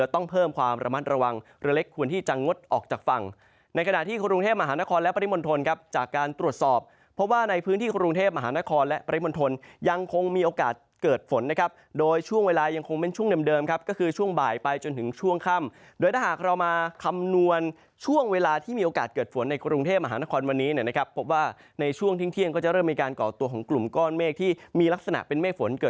ที่กรุงเทพมหานครและปริมณฑลยังคงมีโอกาสเกิดฝนนะครับโดยช่วงเวลายังคงเป็นช่วงเดิมเดิมครับก็คือช่วงบ่ายไปจนถึงช่วงค่ำโดยถ้าหากเรามาคำนวณช่วงเวลาที่มีโอกาสเกิดฝนในกรุงเทพมหานครวันนี้นะครับพบว่าในช่วงทิ้งเที่ยงก็จะเริ่มมีการก่อตัวของกลุ่มก้อนเมฆที่มีลัก